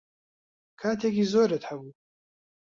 کاتێکی زۆرت هەبوو.